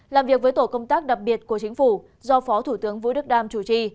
làm việc với tổ công tác đặc biệt của chính phủ do phó thủ tướng vũ đức đam chủ trì